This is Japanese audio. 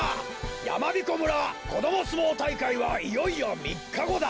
やまびこ村こどもすもうたいかいはいよいよみっかごだ。